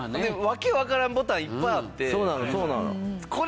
訳わからんボタンいっぱいあって。